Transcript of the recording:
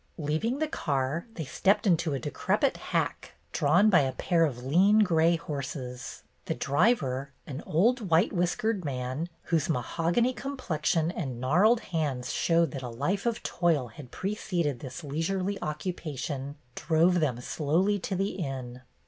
Leaving the car, they stepped into a decrepit hack, drawn by a pair of lean gray horses. The driver, an old white whiskered man, whose mahogany complexion and gnarled hands showed that a life of toil had preceded this leisurely occupation, drove them slowly to the inn.